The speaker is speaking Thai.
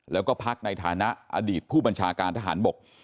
แล้วก็พักในฐานะอดีตผู้บัญชาการทหารบก